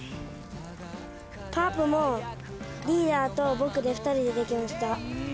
「タープもリーダーと僕で２人でできました」